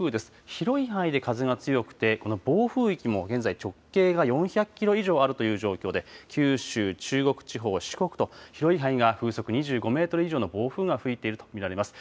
広い範囲で風が強くて、この暴風域も現在、直径が４００キロ以上あるという状況で、九州、中国地方、四国と広い範囲が風速２５メートル以上の暴風が吹いていると見られます。